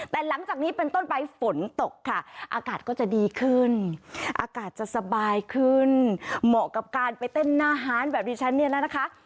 แต่หลังจากนี้เป็นต้นไปฝนตกค่ะอากาศก็จะดีขึ้นอากาศจะสบายขึ้นเหมาะกับการไปเต้นหน้าฮานแบบดิฉันเนี่ยแล้วนะคะ